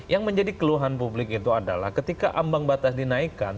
yang menjadi keluhan publik itu adalah ketika ambang batas dinaikkan